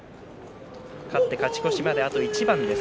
勝って、勝ち越しまであと一番です。